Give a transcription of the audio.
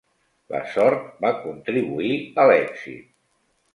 La sort va contribuir a l'èxit.